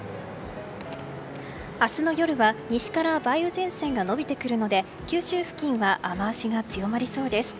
明日の夜は西から梅雨前線が延びてくるので九州付近は雨脚が強まりそうです。